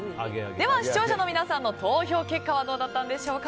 視聴者の皆さんの投票結果はどうだったんでしょうか。